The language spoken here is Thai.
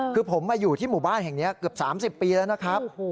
คือผมมาอยู่ที่หมู่บ้านแห่งนี้เกือบ๓๐ปีแล้วนะครับ